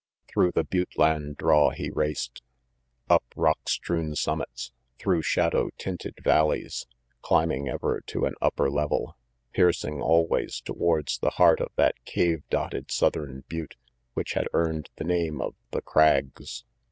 Through the butte land draw he raced, up rock EANGY PETE 281 strewn summits, through shadow tinted valleys, climbing ever to an upper level, piercing always towards the heart of that cave dotted southern butte which had earned the name of The Crags.